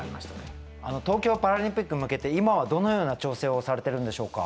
東京パラリンピックに向けて今はどのような調整をされてるんでしょうか。